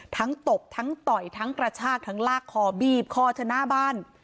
ตบทั้งต่อยทั้งกระชากทั้งลากคอบีบคอเธอหน้าบ้าน